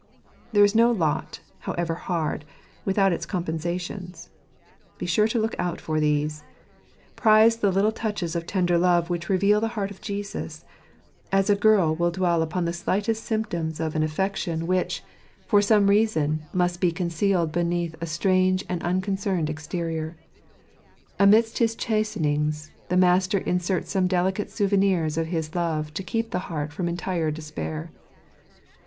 There is no lot, however hard, without its compensations. Be sure to look out for these. Prize the little touches of tender love which reveal the heart of Jesus, as a girl will dwell upon the slightest symptoms of an affection which, for 92 Jo«jrfr*# JTirat teedriefo faiitlr a greiJjren* some reason, must be concealed beneath a strange and unconcerned exterior. Amidst his chastenings, the Master inserts some delicate souvenirs of his love to keep the heart from entire despair.